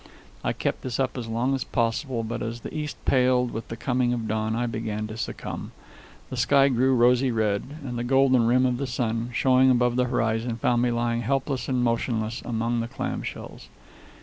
I kept this up as long as possible, but as the east paled with the coming of dawn I began to succumb. The sky grew rosy red, and the golden rim of the sun, showing above the horizon, found me lying helpless and motionless among the clam shells.